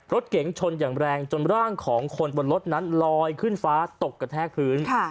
รถเก๋งชนอย่างแรงจนร่างของคนบนรถนั้นลอยขึ้นฟ้าตกกระแทกพื้น